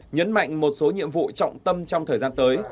nhấn mạnh một số nhiệm vụ trọng tâm trong thời gian tới